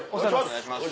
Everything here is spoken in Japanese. お願いします。